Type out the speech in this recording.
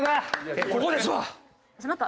ここですわ！